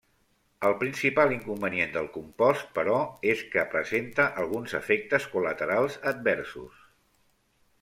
El principal inconvenient del compost, però, és que presenta alguns efectes col·laterals adversos.